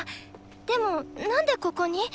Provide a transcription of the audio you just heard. でもなんでここに？